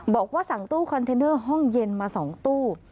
บอกว่าสั่งตู้คอนเทนเนอร์ห้องเย็นมา๒ตู้